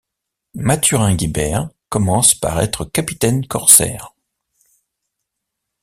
Mathurin Guibert commence par être capitaine corsaire.